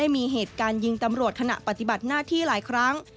มีเหตุการณ์ยิงตำรวจขณะปฏิบัติหน้าที่หลายครั้ง